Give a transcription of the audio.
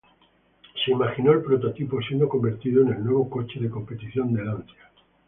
Se imaginó el prototipo siendo convertido en el nuevo coche de competición de Lancia.